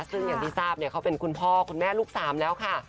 ซึ่งอย่างที่ทราบเนี่ยเขาเป็นคุณพ่อคุณแม่ลูกสามแล้วค่ะ